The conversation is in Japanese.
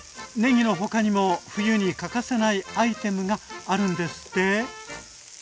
ねぎの他にも冬に欠かせないアイテムがあるんですって？